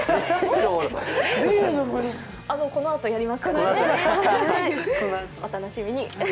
このあとやりますからね、お楽しみに。